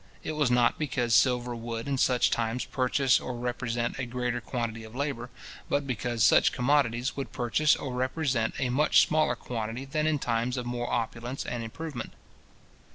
It was not because silver would in such times purchase or represent a greater quantity of labour, but because such commodities would purchase or represent a much smaller quantity than in times of more opulence and improvement.